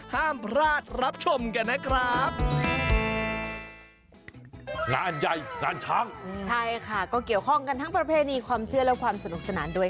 ห้ามพลาดรับชมกันนะครับ